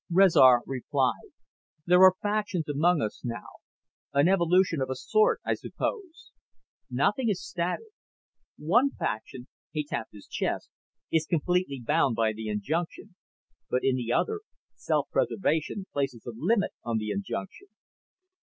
Rezar replied, "There are factions among us now. An evolution of a sort, I suppose. Nothing is static. One faction" he tapped his chest "is completely bound by the injunction. But in the other, self preservation places a limit on the injunction."